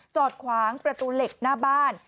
จอดขวางประตูเหล็กหน้าบ้าน